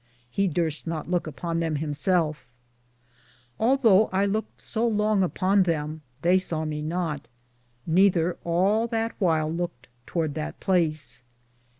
He durste not louke upon them him selfe. Although I louked so longe upon them, theie saw not me, nether all that whyle louked towards that place.